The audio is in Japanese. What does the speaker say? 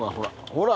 ほら。